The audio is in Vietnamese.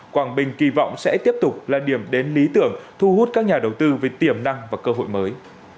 quảng bình kỳ vọng sẽ tiếp tục là điểm đến lý tưởng thu hút các nhà đầu tư về tiềm năng và cơ hội mới